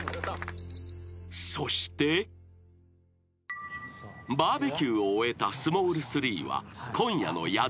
［そして］［バーベキューを終えたスモール３は］